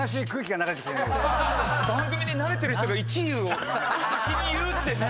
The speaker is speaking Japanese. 番組に慣れてる人が１位を先に言うってね。